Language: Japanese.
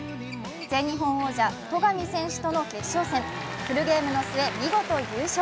全日本王者・戸上選手との決勝戦、フルゲームの末、見事優勝。